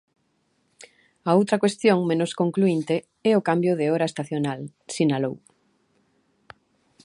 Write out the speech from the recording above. A outra cuestión menos concluínte é o cambio de hora estacional, sinalou.